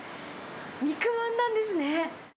肉まんなんですね。